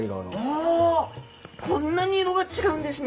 おこんなに色が違うんですね。